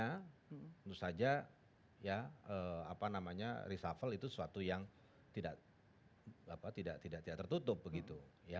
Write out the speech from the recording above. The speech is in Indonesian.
tentu saja reshuffle itu suatu yang tidak tertutup begitu